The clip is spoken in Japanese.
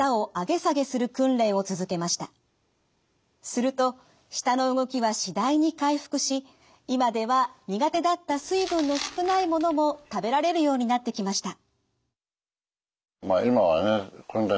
すると舌の動きは次第に回復し今では苦手だった水分の少ないものも食べられるようになってきました。